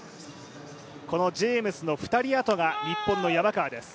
ジェームスの２人あとが、日本の山川です。